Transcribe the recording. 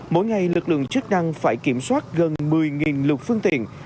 mỗi ngày lực lượng chức năng phải kiểm soát gần một mươi lực phương tiện